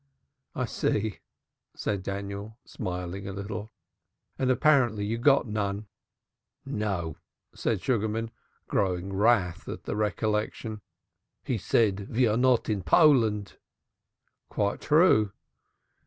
"I see," said Daniel smiling a little. "And apparently you got none." "No," said Sugarman, growing wroth at the recollection. "He said ve are not in Poland." "Quite true."